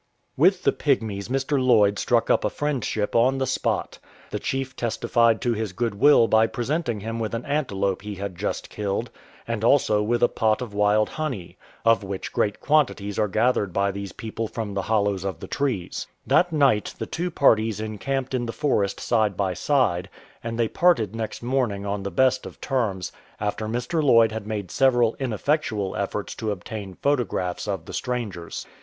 With the Pygmies Mr. Lloyd struck up a friendship on the spot. The chief testified to his goodwill by present ing him with an antelope he had just killed, and also with a pot of wild honey, of which great quantities are gath ered by these people from the hollows of the trees. That 179 ArPEARANCE AND HABITS night the two parties encamped in the forest side by side, and they parted next morning on the best of terms, after Mr. Lloyd had made several ineffectual efforts to obtain photographs of the strangers.